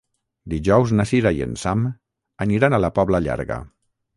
Dijous na Sira i en Sam aniran a la Pobla Llarga.